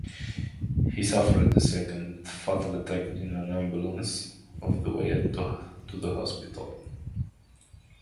He suffered a second, fatal attack in an ambulance on the way to hospital.